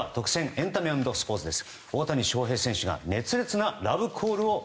エンタメ＆スポーツです。